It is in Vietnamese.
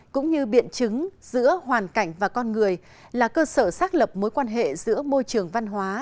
cũng như biện chứng giữa hoàn cảnh và con người là cơ sở xác lập mối quan hệ giữa môi trường văn hóa